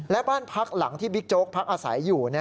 และบ้านพักหลังที่บิ๊กโจ๊กพักอาศัยอยู่